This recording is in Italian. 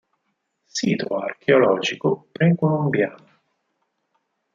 Sito archeologico precolombiano.